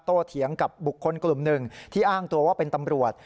เถียงกับบุคคลกลุ่มหนึ่งที่อ้างตัวว่าเป็นตำรวจ